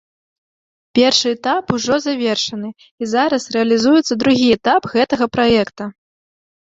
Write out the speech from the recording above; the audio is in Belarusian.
Першы этап ужо завершаны, і зараз рэалізуецца другі этап гэтага праекта.